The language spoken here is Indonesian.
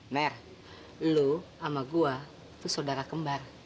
mir lo sama gue tuh saudara kembar